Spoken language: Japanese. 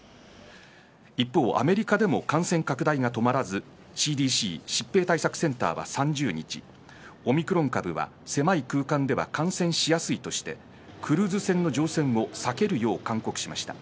一方、アメリカでも感染拡大が止まらずＣＤＣ疾病対策センターは、３０日オミクロン株は狭い空間では感染しやすいとしてクルーズ船の乗船を避けるよう勧告しました。